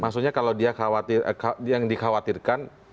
maksudnya kalau dia yang dikhawatirkan